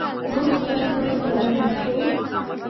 موږ ستا سمه پالنه نه کوو؟